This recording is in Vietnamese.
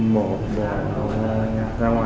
một bộ nhà ra ngoài